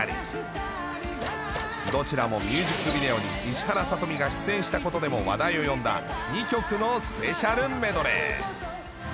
どちらもミュージックビデオに石原さとみが出演したことでも話題を呼んだ２曲のスペシャルメドレー。